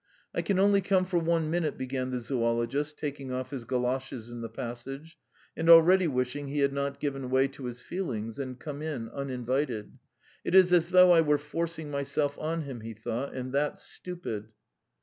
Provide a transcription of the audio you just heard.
"I can only come for one minute," began the zoologist, taking off his goloshes in the passage, and already wishing he had not given way to his feelings and come in, uninvited. "It is as though I were forcing myself on him," he thought, "and that's stupid."